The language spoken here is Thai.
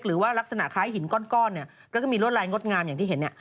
หรือว่ารักษณะค้าหินก้อนก็มีรวดลายงดงามอย่างที่เห็น